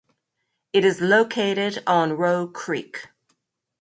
It is located on Roe Creek.